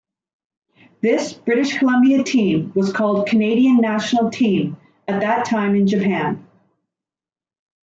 This British Columbia team was called "Canadian national team" at that time in Japan.